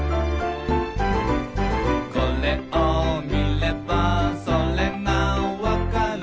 「これを見ればそれがわかる」